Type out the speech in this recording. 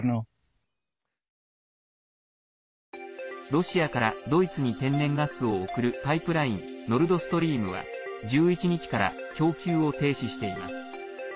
ロシアからドイツに天然ガスを送るパイプラインノルドストリームは１１日から供給を停止しています。